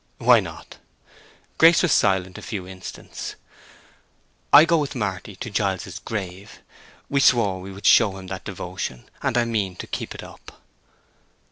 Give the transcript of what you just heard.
"Why not?" Grace was silent a few instants. "I go with Marty to Giles's grave. We swore we would show him that devotion. And I mean to keep it up."